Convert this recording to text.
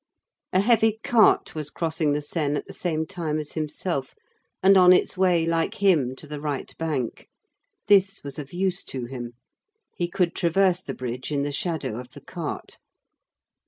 A heavy cart was crossing the Seine at the same time as himself, and on its way, like him, to the right bank. This was of use to him. He could traverse the bridge in the shadow of the cart.